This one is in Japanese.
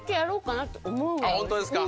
ホントですか。